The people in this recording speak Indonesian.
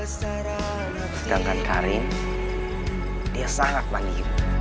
sedangkan karin dia sangat mani